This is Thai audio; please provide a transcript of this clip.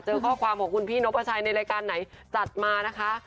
ข้อความของคุณพี่นกพระชัยในรายการไหนจัดมานะคะ